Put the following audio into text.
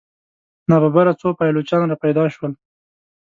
ناببره څو پایلوچان را پیدا شول.